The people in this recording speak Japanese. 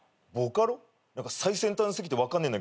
最先端過ぎて分かんねえんだけど。